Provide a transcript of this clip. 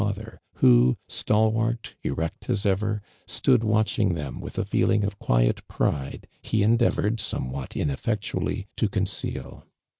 lather, who, stalwart, nvect as evei', stood watching tliem witlia feeling of quiot pride }io endeavored, somewhat ineffectually, to conceal.